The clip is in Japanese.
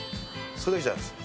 それだけじゃないです。